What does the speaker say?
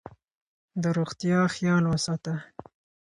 د روغتیا خیال وساته.